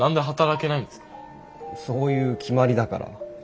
そういう決まりだから。